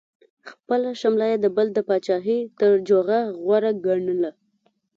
خپله شمله یې د بل د پاچاهۍ پر جوغه غوره ګڼله.